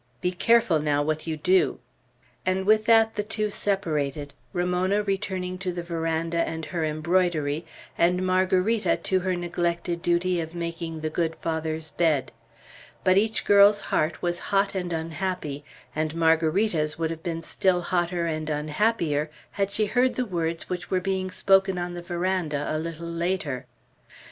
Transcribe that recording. Be careful, now, what you do." And with that the two separated, Ramona returning to the veranda and her embroidery, and Margarita to her neglected duty of making the good Father's bed. But each girl's heart was hot and unhappy; and Margarita's would have been still hotter and unhappier, had she heard the words which were being spoken on the veranda a little later.